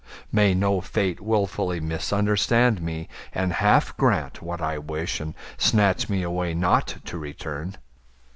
May no fate willfully misunderstand me And half grant what I wish and snatch me away Not to return.